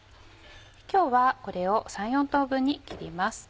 今日はこれを３４等分に切ります。